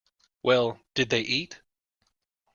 Well, did they eat.